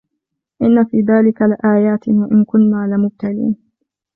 إِنَّ فِي ذَلِكَ لَآيَاتٍ وَإِنْ كُنَّا لَمُبْتَلِينَ